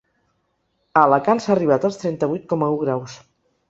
A Alacant s’ha arribat als trenta-vuit coma u graus.